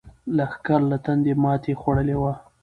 لښکر له تندې ماتې خوړلې وه.